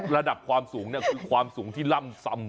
ระดับความสูงเนี่ยคือความสูงที่ล่ำซำ